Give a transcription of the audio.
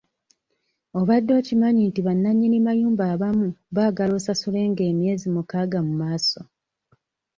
Obadde okimanyi nti bannanyini mayumba abamu baagala osasulenga emyezi mukaaga mu maaso.